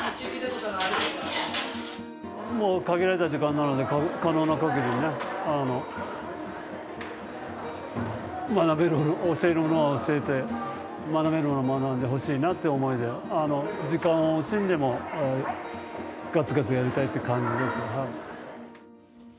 もう限られた時間なので可能な限りね教えるものは教えて学べるものは学んでほしいなという思いで時間を惜しんでもガツガツやりたいっていう感じですはい。